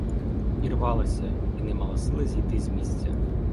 І рвалася, і не мала сили зійти з місця.